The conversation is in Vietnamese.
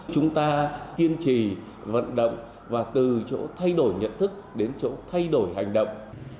chúng ta kiên trì vận động và từ chỗ thay đổi nhận thức đến chỗ thay đổi hành động